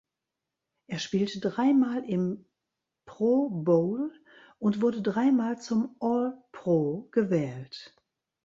Er spielte dreimal im Pro Bowl und wurde dreimal zum All Pro gewählt.